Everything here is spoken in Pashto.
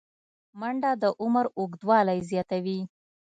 منډه د عمر اوږدوالی زیاتوي